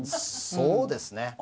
そうですね。